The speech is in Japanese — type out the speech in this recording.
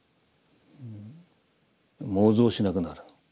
妄想しなくなる。